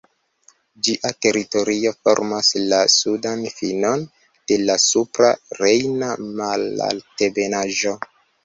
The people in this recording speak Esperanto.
Ĝia teritorio formas la sudan finon de la Supra Rejna Malaltebenaĵo.